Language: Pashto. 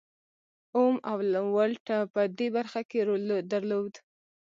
اوم او ولټ په دې برخه کې رول درلود.